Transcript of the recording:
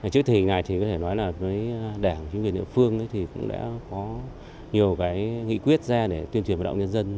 trước thì ngày thì có thể nói là với đảng chính quyền địa phương thì cũng đã có nhiều cái nghị quyết ra để tuyên truyền vật động nhân dân